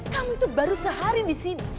kamu itu baru sehari disini